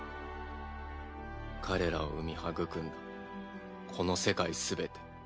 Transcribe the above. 彼らを生み育んだこの世界全て。